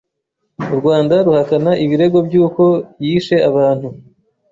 U Rwanda ruhakana ibirego byuko yishe abantu